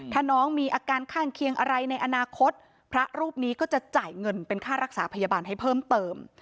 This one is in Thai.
ถ้าน้องมีอาการข้างเคียงอะไรในอนาคตพระรูปนี้ก็จะจ่ายเงินเป็นค่ารักษาพยาบาลให้เพิ่มเติม